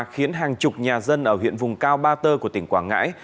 khiến hàng chục nhà dân ở huyện vùng cao ba tơ của tỉnh quảng ngãi